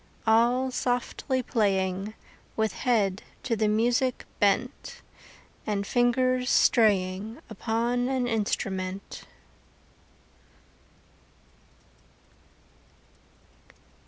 All softly playing, With head to the music bent, And fingers straying Upon an instrument.